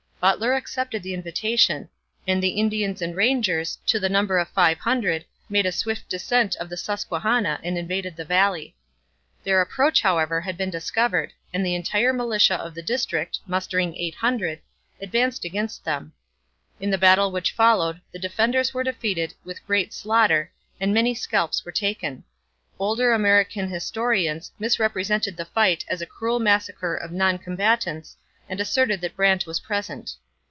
Butler accepted the invitation, and the Indians and rangers to the number of five hundred made a swift descent of the Susquehanna and invaded the valley. Their approach, however, had been discovered, and the entire militia of the district, mustering eight hundred, advanced against them. In the battle which followed, the defenders were defeated with great slaughter and many scalps were taken. Older American historians misrepresented the fight as a cruel massacre of non combatants and asserted that Brant was present.